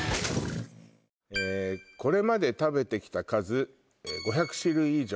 これまで食べてきた数５００種類以上！